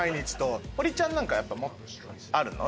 堀ちゃんなんかやっぱあるの？